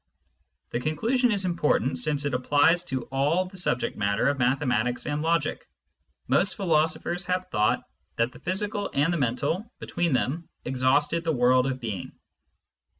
This conclusion is important, since it applies to all the subject matter of mathematics and logic. Most philosophers have thought that the physical and the mental between them exhausted the world of being.